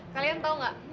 kalian tahu nggak